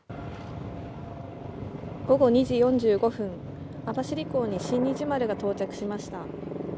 午後２時４５分、網走港に新日丸が到着しました。